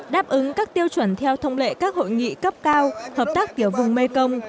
đáp ứng các tiêu chuẩn theo thông lệ các hội nghị cấp cao hợp tác tiểu vùng mekong